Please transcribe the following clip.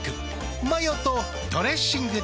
マヨとドレッシングで。